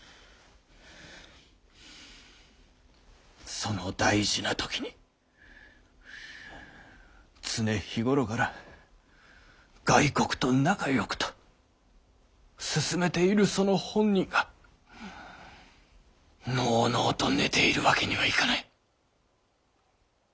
その大事な時に常日頃から外国と仲よくと勧めているその本人がのうのうと寝ているわけにはいかない。